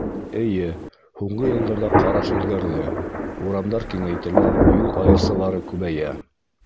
Эйе, һуңғы йылдарҙа ҡараш үҙгәрҙе: урамдар киңәйтелә, юл айырсалары күбәйә.